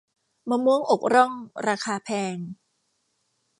มะม่วงอกร่อง ราคาแพง